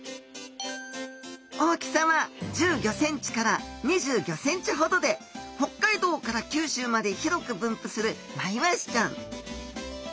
大きさは１５ｃｍから２５ｃｍほどで北海道から九州まで広く分布するマイワシちゃん。